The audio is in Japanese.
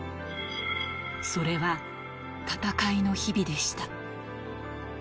それは闘いの日々でした。